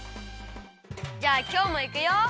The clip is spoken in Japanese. じゃあきょうもいくよ！